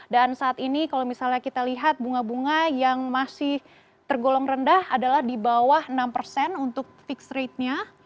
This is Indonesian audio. dan saat ini kalau misalnya kita lihat bunga bunga yang masih tergolong rendah adalah di bawah enam untuk fixed rate nya